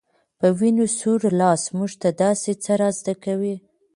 په وينو سور لاس موږ ته داسې څه را زده کوي